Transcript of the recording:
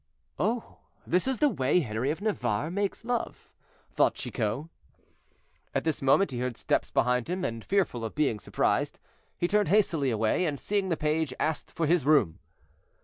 "Oh! this is the way Henri of Navarre makes love," thought Chicot. At this moment he heard steps behind him, and fearful of being surprised, he turned hastily away, and, seeing the page, asked for his room.